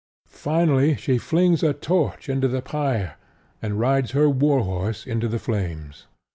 Finally she flings a torch into the pyre, and rides her war horse into the flames.